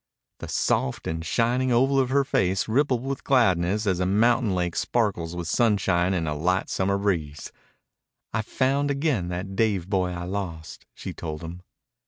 The soft and shining oval of her face rippled with gladness as a mountain lake sparkles with sunshine in a light summer breeze. "I've found again that Dave boy I lost," she told him.